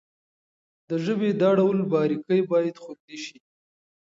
د ژبې دا ډول باريکۍ بايد خوندي شي.